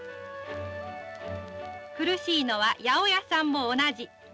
苦しいのは八百屋さんも同じ。